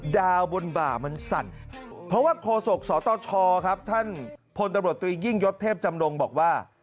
บนบ่ามันสั่นเพราะว่าโคศกสตชครับท่านพลตำรวจตรียิ่งยศเทพจำนงบอกว่า